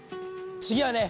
次はね